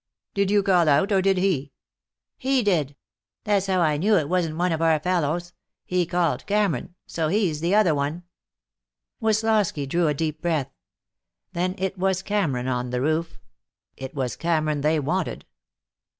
"Did you call out, or did he?" "He did. That's how I knew it wasn't one of our fellows. He called Cameron, so he's the other one." Woslosky drew a deep breath. Then it was Cameron on the roof. It was Cameron they wanted.